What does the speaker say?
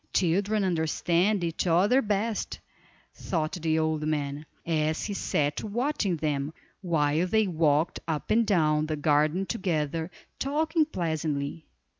Children understand each other best, thought the old man, as he sat watching them, while they walked up and down the garden together, talking pleasantly.